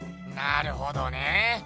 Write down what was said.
なるほどね。